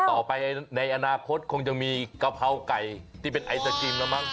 ต่อไปในอนาคตคงจะมีกะเพราไก่ที่เป็นไอศครีมแล้วมั้ง